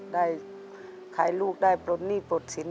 ได้ขายลูกได้ปลดหนี้ปลดสิน